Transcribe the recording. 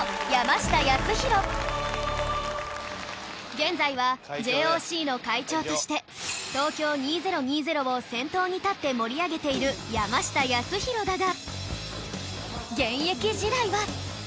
現在は ＪＯＣ の会長として東京２０２０を先頭に立って盛り上げている山下泰裕だが